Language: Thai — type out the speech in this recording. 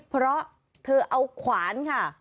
เพราะเธอเอาขวานค่ะ